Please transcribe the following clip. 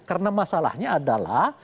karena masalahnya adalah